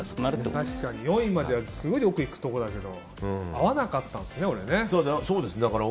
確かに４位まではすごくよく行くところだけど合わなかったんですね、俺。